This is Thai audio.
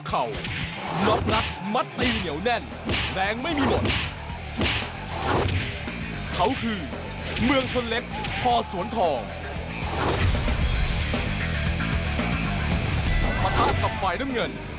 ก่อนอื่นติดตามวิทยา